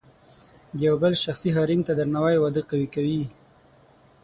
د یو بل شخصي حریم ته درناوی واده قوي کوي.